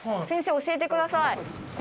先生教えてください。